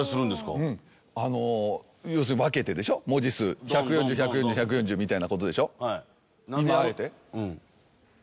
要するに分けてでしょ文字数１４０１４０１４０みたいなことでしょ。